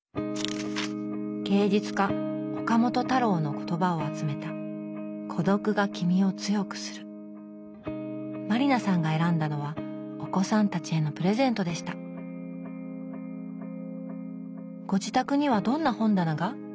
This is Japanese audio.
芸術家岡本太郎の言葉を集めた満里奈さんが選んだのはお子さんたちへのプレゼントでしたご自宅にはどんな本棚が？